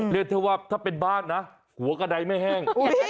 เรียกเธอว่าถ้าเป็นบ้านนะหัวกระดายไม่แห้ง